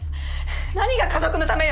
何が家族のためよ